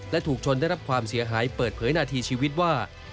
และถูกชนได้รับความเสียหายเปิดเผยนาทีชีวิตว่า